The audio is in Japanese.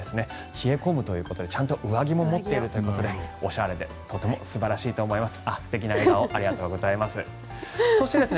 この時期は朝晩が冷え込むということでちゃんと上着も持っているということでおしゃれでとても素晴らしいと思います。